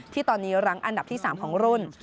ที่ตอนนี้รั้งอันดับที่๓ของรุ่น